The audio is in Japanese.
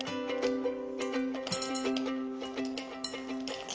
ＯＫ。